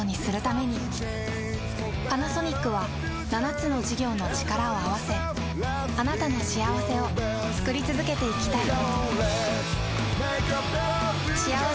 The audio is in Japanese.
パナソニックは７つの事業のチカラを合わせあなたの幸せを作り続けていきたい。